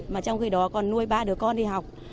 mà trong khi đó còn nuôi ba đứa con đi học